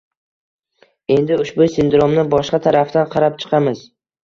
Endi ushbu sindromni boshqa tarafdan qarab chiqamiz: